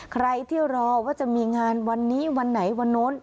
ใครที่รอว่าจะมีงานวันนี้วันไหนวันโน้น